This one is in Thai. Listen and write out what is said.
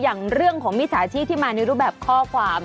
อย่างเรื่องของมิจฉาชีพที่มาในรูปแบบข้อความ